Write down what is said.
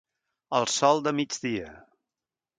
Al sol de migdia.